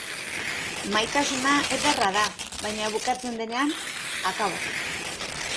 Maitasuna ederra da, baina bukatzen denean, akabo.